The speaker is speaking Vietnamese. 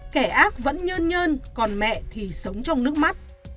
kẻ ác vẫn nhơn nhơn còn mẹ thì sống trong nước mắt